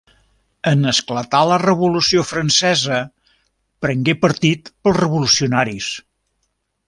En esclatar la Revolució Francesa, prengué partit pels revolucionaris.